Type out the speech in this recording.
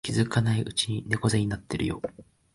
気づかないうちに猫背になってるよ